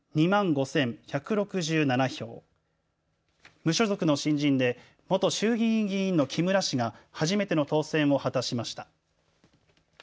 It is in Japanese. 無所属の新人で元衆議院議員の木村氏が初めての当選を果たしました。